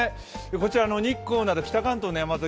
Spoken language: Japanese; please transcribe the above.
日光など北関東の山沿い